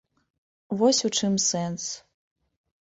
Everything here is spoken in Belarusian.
Вось у чым сэнс.